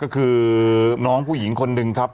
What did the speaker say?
ก็คือน้องผู้หญิงคนหนึ่งครับ